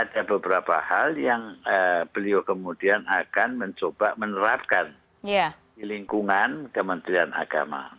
ada beberapa hal yang beliau kemudian akan mencoba menerapkan di lingkungan kementerian agama